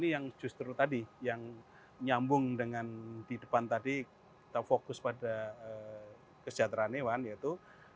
yang justru tadi yang nyambung dengan di depan tadi kita fokus pada kesejahteraan hewan yaitu